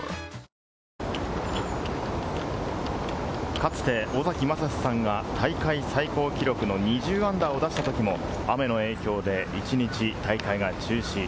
かつて尾崎将司さんが、大会最高記録のー２０を出したことも雨の影響で一日、大会が中止。